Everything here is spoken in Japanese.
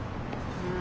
うん。